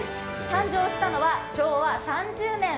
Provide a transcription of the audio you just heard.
誕生したのは昭和３０年。